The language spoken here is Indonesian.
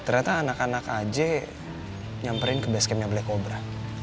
ternyata anak anak aja nyamperin ke basketnya black cobra